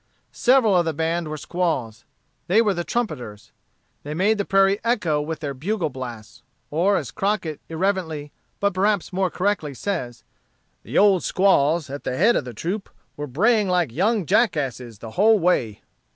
Several of the band were squaws. They were the trumpeters. They made the prairie echo with their bugle blasts, or, as Crockett irreverently, but perhaps more correctly says, "The old squaws, at the head of the troop, were braying like young jackasses the whole way."